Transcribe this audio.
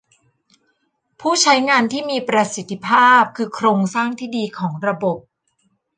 ผู้ใช้งานที่มีประสิทธิภาพคือโครงสร้างที่ดีของระบบ